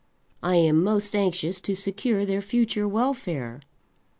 I am most anxious to secure their future welfare.